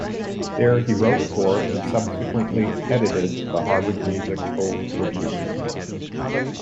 There he wrote for and subsequently edited the "Harvard Musical Review".